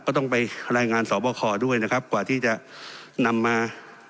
ก็ต้องไปรายงานสอบคอด้วยนะครับกว่าที่จะนำมา